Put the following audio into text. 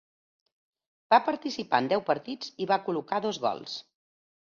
Va participar en deu partits i va col·locar dos gols.